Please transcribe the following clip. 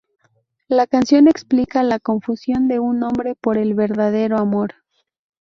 La canción explica la confusión de un hombre por el verdadero amor.